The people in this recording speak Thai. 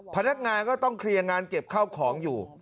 พนักงานก็ต้องเคลียร์งานเก็บข้าวของอยู่